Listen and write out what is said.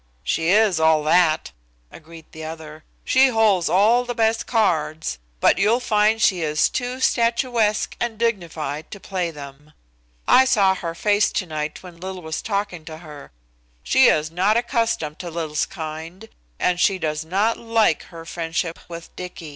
"She is all of that," agreed the other, "She holds all the best cards, but you'll find she is too statuesque and dignified to play them. I saw her face tonight when Lil was talking to her. She is not accustomed to Lil's kind, and she does not like her friendship with Dicky."